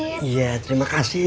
iya terima kasih